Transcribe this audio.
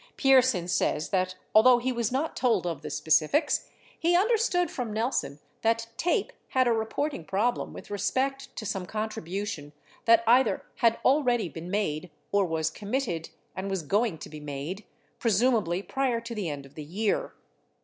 Pierson says that, although he was not told of the specifics, he understood from Nelson that TAPE had a reporting problem with respect to some contribu tion that either had already been made or was committed and was going to be made, presumably prior to the end of the year.